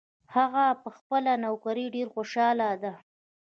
هغه په خپله نوکري ډېر خوشحاله ده